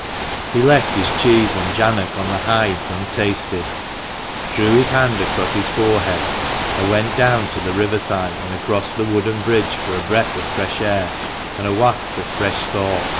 He left his cheese and jannock on the hides untasted, drew his hand across his forehead, and went down to the river side and across the wooden bridge for a breath of fresh air and a waft of fresh thought.